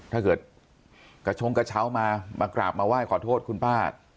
ถ้าเกิดกระชงกระเช้ามามากราบมาไหว้ขอโทษคุณป้า